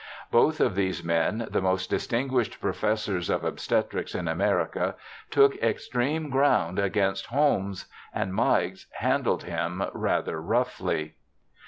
Both of these men, the most distinguished professors of obstetrics in America, took extreme ground against Holmes, and Meigs handled him rather roughly.